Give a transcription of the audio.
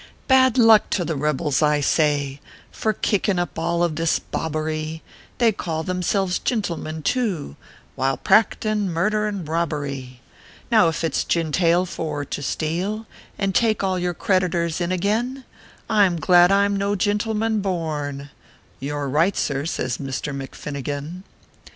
" Bad luck to the rebels, I say, For kickin up all of this bobbery, They call themselves gintlemen, too, "While practin murder and robbery ; Now if it s gintale for to steal, And take all your creditors in again, I m glad I m no gintleman born " "You re right, sir," says Misther McFinnigan.